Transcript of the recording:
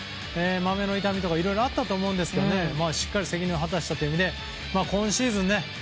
マメの痛みとかいろいろあったと思うんですけどしっかり責任を果たしたという意味で今シーズン